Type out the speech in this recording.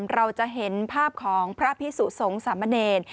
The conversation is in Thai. เราจะเห็นภาพของพระพิสุสงฆ์สามเณร